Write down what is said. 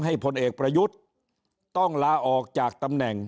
พลเอกประยุทธ์ต้องลาออกจากตำแหน่ง